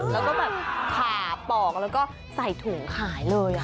แล้วก็แบบผ่าปอกแล้วก็ใส่ถุงขายเลย